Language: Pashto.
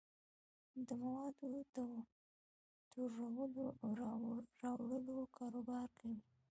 د موادو دوړلو او راوړلو کاروبار کوي.